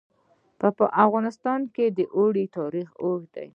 په افغانستان کې د اوړي تاریخ اوږد دی.